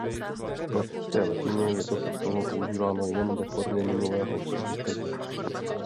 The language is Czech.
V klasické latině je toto slovo používáno jen ve formě minulého příčestí.